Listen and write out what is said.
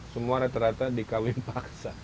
semua rata rata dikawin paksa